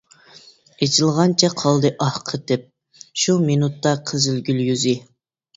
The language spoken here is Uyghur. ئېچىلغانچە قالدى ئاھ قېتىپ، شۇ مىنۇتتا قىزىلگۈل يۈزى.